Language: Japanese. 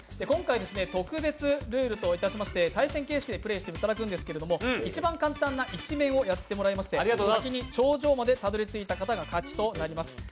今回、特別ルールといたしまして対戦形式でプレーしていただくんですけれども、一番簡単な１面をやってもらいまして、先に頂上までたどりついた方が勝ちとなります。